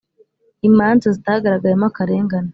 imanza zitagaragayemo akarengane